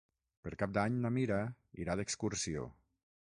Per Cap d'Any na Mira irà d'excursió.